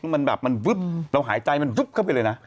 มันแบบมันวึ๊บเราหายใจมันยุบเข้าไปเลยนะ